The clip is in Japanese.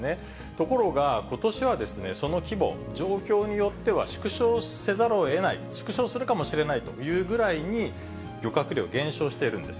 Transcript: ところが、ことしはその規模、状況によっては縮小せざるをえない、縮小するかもしれないというぐらいに、漁獲量、減少しているんです。